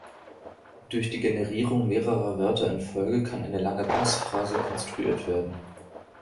Durch die Generierung mehrerer Wörter in Folge kann eine lange Passphrase konstruiert werden.